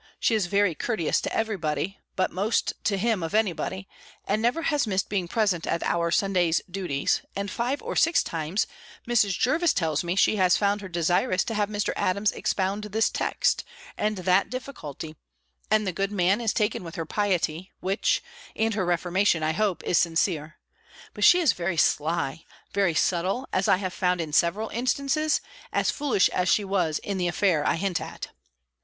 She is very courteous to every body, but most to him of any body, and never has missed being present at our Sunday's duties; and five or six times, Mrs. Jervis tells me, she has found her desirous to have Mr. Adams expound this text, and that difficulty; and the good man is taken with her piety, which, and her reformation, I hope, is sincere; but she is very sly, very subtle, as I have found in several instances, as foolish as she was in the affair I hint at.